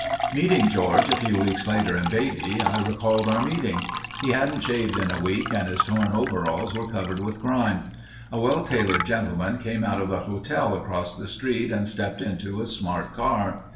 Meeting George a few weeks later in Beatty I recalled our meeting. He hadn't shaved in a week and his torn overalls were covered with grime. A well tailored gentleman came out of the hotel across the street and stepped into a smart car.